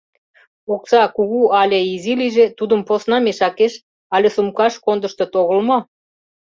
Окса кугу але изи лийже, тудым посна мешакеш але сумкаш кондыштыт огыл мо?